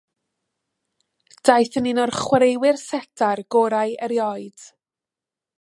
Daeth yn un o'r chwaraewyr setar gorau erioed.